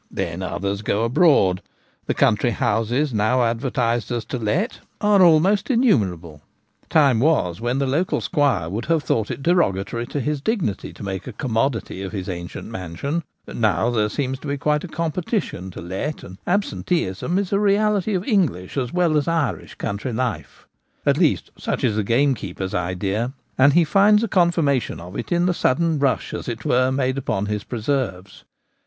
Then others go abroad ; the country houses now advertised as ' to let* are almost innumerable. Time was when the local squire would have thought it derogatory to his dignity to make a commodity of his ancient mansion ; now there seems quite a competition to let, and ab senteeism is a reality of English as well as Irish coun Concentration of Sport. 47 try life. At least, such is the gamekeeper's idea, and he finds a confirmation of it in the sudden rush, as it were, made upon his preserves.